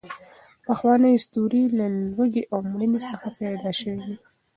پخوانۍ اسطورې له لوږې او مړینې څخه پیدا شوې دي.